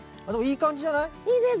でもいい感じじゃない？